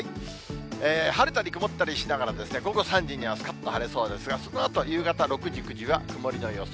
晴れたり曇ったりしながら、午後３時にはすかっと晴れそうですが、そのあと夕方６時、９時は曇りの予想。